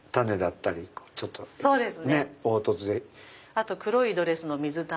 あと黒いドレスの水玉。